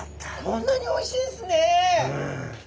こんなにおいしいんですね。